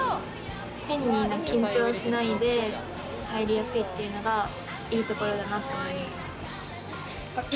変に緊張しないで入りやすいというのがいいところだなって思います。